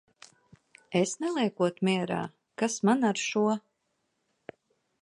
Es neliekot mierā? Kas man ar šo!